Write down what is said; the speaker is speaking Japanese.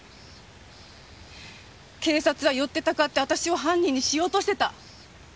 警察はよってたかって私を犯人にしようとしてた。